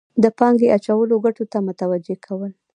د پانګې اچولو ګټو ته متوجه کول.